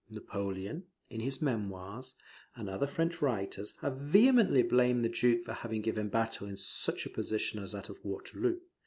Napoleon, in his memoirs, and other French writers, have vehemently blamed the Duke for having given battle in such a position as that of Waterloo.